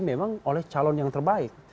memang oleh calon yang terbaik